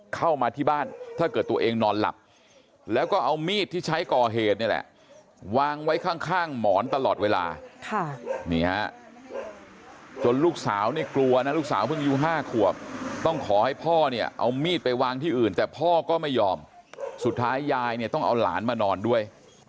เข้ามาที่บ้านถ้าเกิดตัวเองนอนหลับแล้วก็เอามีดที่ใช้ก่อเหตุนี่แหละวางไว้ข้างหมอนตลอดเวลานี่ฮะจนลูกสาวเนี่ยกลัวนะลูกสาวเพิ่งอายุ๕ขวบต้องขอให้พ่อเนี่ยเอามีดไปวางที่อื่นแต่พ่อก็ไม่ยอมสุดท้ายยายเนี่ยต้องเอาหลานมานอนด้วย